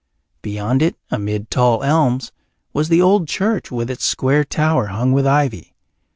Beyond it, amid tall elms, was the old church with its square tower hung with ivy.